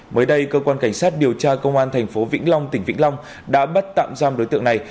mới đây cơ quan cảnh sát điều tra công an tp vĩnh long tỉnh vĩnh long đã bắt tạm giam đối tượng này